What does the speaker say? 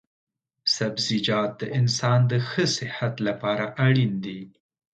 سبزيجات د انسان د ښه صحت لپاره اړين دي